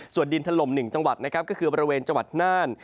ส่วนดินถล่ม๑จังหวัดนะครับก็คือบริเวณจังหวัดน่าน